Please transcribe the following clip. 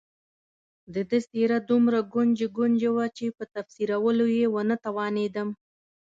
د ده څېره دومره ګونجي ګونجي وه چې په تفسیرولو یې ونه توانېدم.